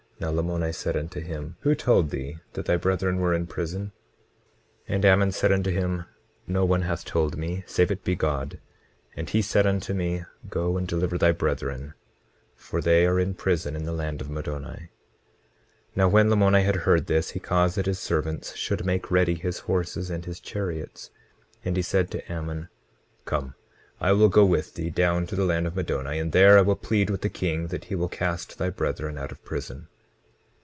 Now Lamoni said unto him: Who told thee that thy brethren were in prison? 20:5 And Ammon said unto him: No one hath told me, save it be God; and he said unto me—Go and deliver thy brethren, for they are in prison in the land of Middoni. 20:6 Now when Lamoni had heard this he caused that his servants should make ready his horses and his chariots. 20:7 And he said unto Ammon: Come, I will go with thee down to the land of Middoni, and there I will plead with the king that he will cast thy brethren out of prison.